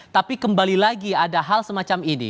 tapi kembali lagi ada hal semacam ini